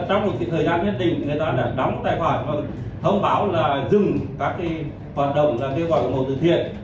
trong một thời gian nhất định người ta đã đóng tài khoản và thông báo là dừng các hoạt động gọi từ thiện